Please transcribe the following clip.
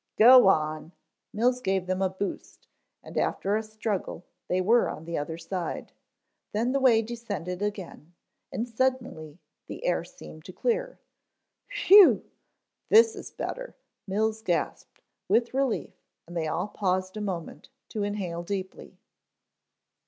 "Go on." Mills gave them a boost, and after a struggle they were on the other side. Then the way descended again, and suddenly the air seemed to clear. "Whew, this is better," Mills gasped, with relief, and they all paused a moment to inhale deeply.